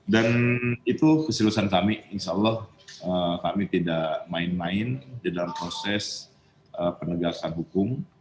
dan itu keseluruhan kami insya allah kami tidak main main di dalam proses penegasan hukum